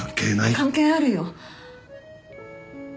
関係あるよ。